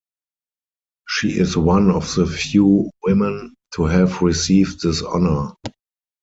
She is one of the few women to have received this honor.